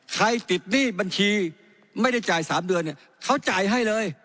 ติดหนี้บัญชีไม่ได้จ่าย๓เดือนเนี่ยเขาจ่ายให้เลย